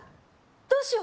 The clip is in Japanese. どうしよう